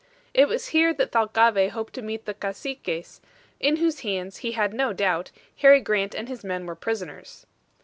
It was here that Thalcave hoped to meet the Caciques, in whose hands, he had no doubt, Harry Grant and his men were prisoners.